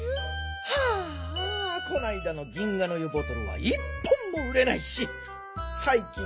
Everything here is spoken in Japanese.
はあこないだの銀河の湯ボトルは１本もうれないしさいきん